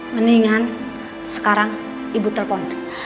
mendingan sekarang ibu telpon